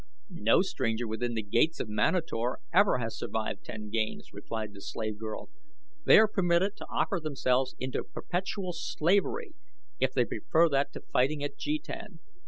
"No stranger within the gates of Manator ever has survived ten games," replied the slave girl. "They are permitted to offer themselves into perpetual slavery if they prefer that to fighting at jetan.